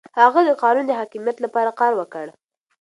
هغه د قانون د حاکميت لپاره کار وکړ.